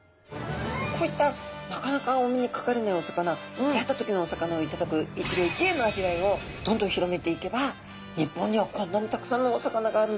こういったなかなかお目にかかれないお魚出会った時のお魚を頂く一魚一会の味わいをどんどん広めていけば日本にはこんなにたくさんのお魚があるんだ。